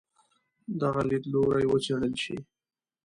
دغه لیدلوری وڅېړل شي.